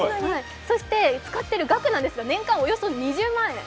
使っている額なんですが年間およそ２０万円。